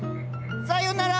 さよなら！